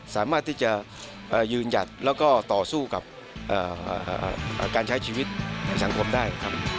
สามารถอยืนหยัดละกับต่อสู้กับการใช้ชีวิตสังคมได้